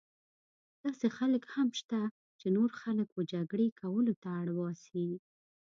داسې خلک هم شته چې نور خلک وه جګړې کولو ته اړ باسي.